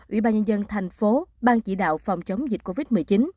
ủy ban nhân dân thành phố ban chỉ đạo phòng chống dịch covid một mươi chín